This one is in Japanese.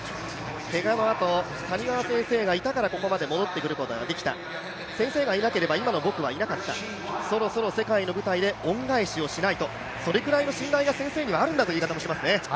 けがのあと、谷川先生がいたから、ここまで戻ってくることができた、先生がいなければ今の僕はいなかった、そろそろ世界の舞台で恩返しをしないと、それくらいの信頼が先生にはあるんだという話もしていますね。